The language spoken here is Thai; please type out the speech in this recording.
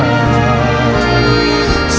ชีวิตเกิดไป